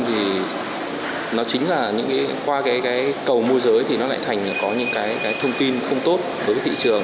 thì nó chính là qua cái cầu môi giới thì nó lại thành có những cái thông tin không tốt đối với thị trường